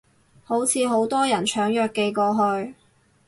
好似好多人搶藥寄過去